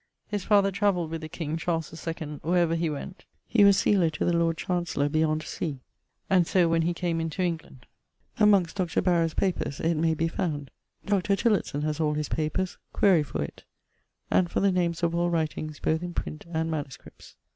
His father travelled with the King, Charles 2ⁿᵈ, where ever he went; he was sealer to the Lord Chancellor beyond sea, and so when he came into England. Amongst Dr. Barrowe's papers it may be found. Dr. Tillotson has all his papers quaere for it, and for the names of all writings both in print and MSS.